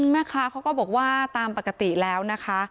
แม่ค้าเขาก็บอกว่าตามปกติแล้วนะคะ